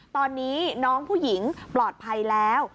ตอนนี้น้องผู้หญิงปลอดภัยแล้ว